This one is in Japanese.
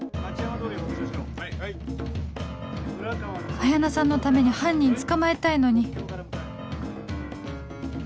彩菜さんのために犯人捕まえたいのに